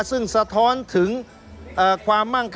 ซึ่งสะท้อนถึงความมั่งคั